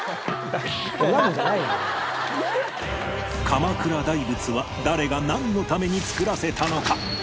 鎌倉大仏は誰がなんのために造らせたのか？